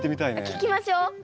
聞きましょ。